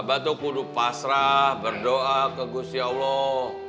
abah itu kudu pasrah berdoa ke gusti allah